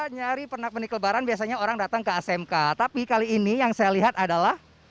nyari penak penik lebaran biasanya orang datang ke asmk tapi kali ini yang saya lihat adalah